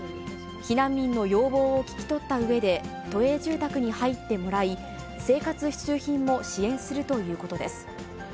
避難民の要望を聞き取ったうえで、都営住宅に入ってもらい、生活必需品も支援するということです。